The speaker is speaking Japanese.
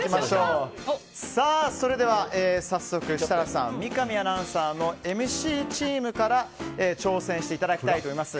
それでは早速設楽さん、三上アナウンサーのＭＣチームから挑戦していただきたいと思います。